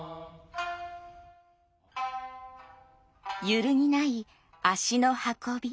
揺るぎない足の運び。